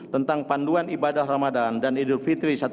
tentang panduan ibadah ramadan dan idul fitri satu sawal empat belas barat